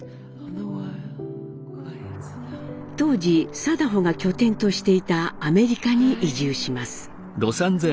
当時禎穗が拠点としていたアメリカに移住します。